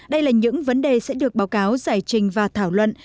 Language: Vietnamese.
đây là những vấn đề sẽ được báo cáo giải trình và thảo luận